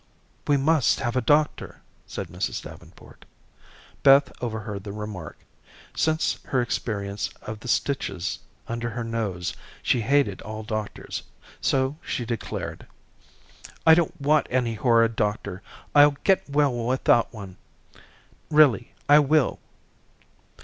"We must have a doctor," said Mrs. Davenport. Beth overheard the remark. Since her experience of the stitches under her nose, she hated all doctors; so she declared: "I don't want any horrid doctor. I'll get well without one. Really I will."